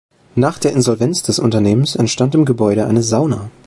Nach der Insolvenz des Unternehmens entstand im Gebäude eine Sauna.